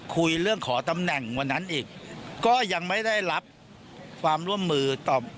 คุยเรื่องขอตำแหน่งวันนั้นอีกก็ยังไม่ได้รับความร่วมมือตอบ